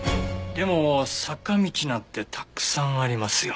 でも坂道なんてたくさんありますよ。